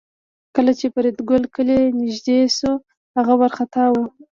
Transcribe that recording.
کله چې د فریدګل کلی نږدې شو هغه وارخطا و